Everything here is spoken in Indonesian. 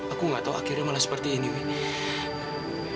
aku gak tahu akhirnya malah seperti ini wih